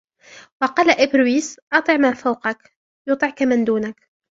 وَقَالَ إبرويس أَطِعْ مَنْ فَوْقَك ، يُطِعْك مَنْ دُونَك